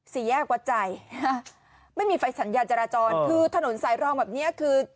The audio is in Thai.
สี่แยกวัดใจไม่มีไฟสัญญาณจราจรคือถนนสายรองแบบเนี้ยคือ